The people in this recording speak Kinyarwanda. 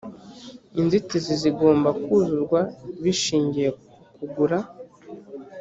inzitizi zigomba kuzuzwa bishingiye kugura